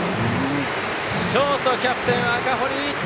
ショート、キャプテン赤堀！